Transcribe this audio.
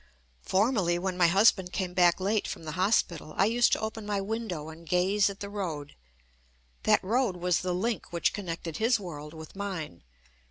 Formerly, when my husband came back late from the hospital, I used to open my window and gaze at the road. That road was the link which connected his world with mine.